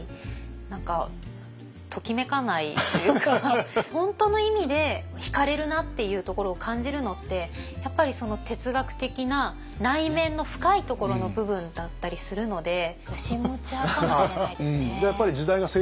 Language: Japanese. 確かに本当の意味でひかれるなっていうところを感じるのってやっぱり哲学的な内面の深いところの部分だったりするので義持派かもしれないですね。